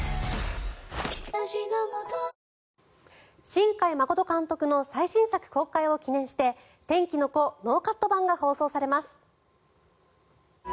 新海誠監督の最新作公開を記念して「天気の子」ノーカット版が放送されます。